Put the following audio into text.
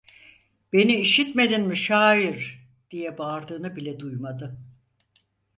"Beni işitmedin mi şair!" diye bağırdığını bile duymadı.